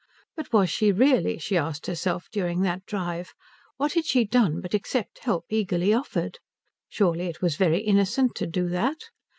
But was she really, she asked herself during the drive? What had she done but accept help eagerly offered? Surely it was very innocent to do that?